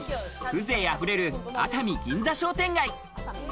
風情溢れる熱海銀座商店街。